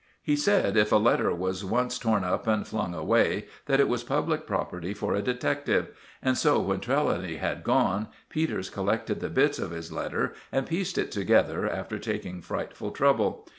He said if a letter was once torn up and flung away, that it was public property for a detective; and so when Trelawny had gone, Peters collected the bits of his letter, and pieced it together after taking frightful trouble.